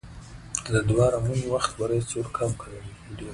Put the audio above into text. د دې قهرمانې نوم یاد ساته.